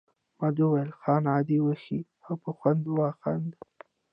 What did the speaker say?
احمد وویل خان عادي وښیه او په خوند وخانده.